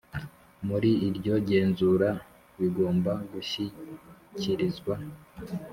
Muri iryo genzura bigomba gushyikirizwa